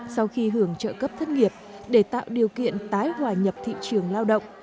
sau khi hưởng trợ cấp thất nghiệp để tạo điều kiện tái hòa nhập thị trường lao động